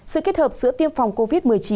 sự kết hợp giữa tiêm phòng covid một mươi chín